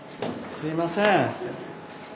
すいません。